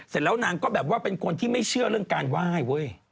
เสร็จแล้วนางก็แบบว่าเป็นคนที่ไม่เชื่อเรื่องการไหว้เว้ย